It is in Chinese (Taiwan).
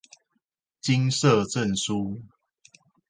金色證書